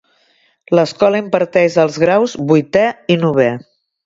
L'escola imparteix els graus vuitè i novè.